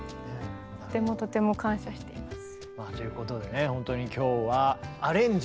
とてもとても感謝しています。